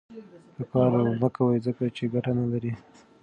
دا کار مه کوئ ځکه چې ګټه نه لري.